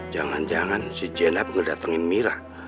jangan jangan si jenab ngedatengin mira